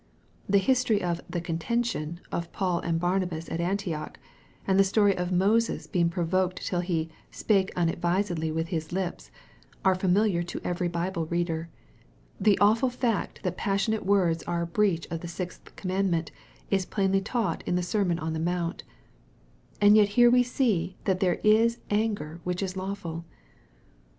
The history of " the contention" of Paul and Barnabas at Antioch, and the story of Moses being provoked till he " spake unadvisedly with his lips," are familiar to every Bible reader. The awful fact that passionate words are a breach of the sixth commandment, is plainly taught m the Sermon on the Mount. And yet here we see that there is anger which is lawful.